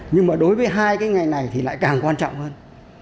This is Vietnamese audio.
nhưng mà đối với hai cái ngành này thì lại càng quan trọng hơn